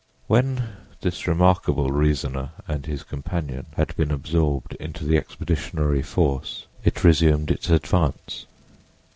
When this remarkable reasoner and his companion had been absorbed into the expeditionary force, it resumed its advance.